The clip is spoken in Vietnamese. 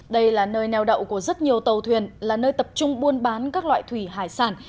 đây là nơi neo đậu của rất nhiều tàu thuyền là nơi tập trung buôn bán các loại thủy hải sản